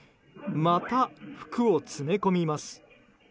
また服を詰め込みます。